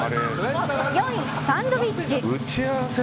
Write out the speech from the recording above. ４位、サンドウィッチ。